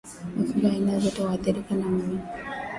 Mifugo aina zote huathirika na minyoo